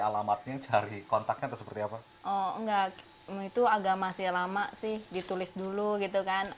alamatnya cari kontaknya seperti apa oh enggak itu agak masih lama sih ditulis dulu gitu kan